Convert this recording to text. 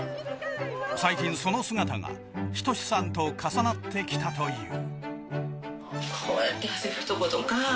最近その姿が仁さんと重なってきたという。